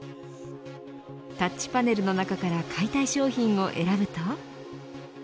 タッチパネルの中から買いたい商品を選ぶと。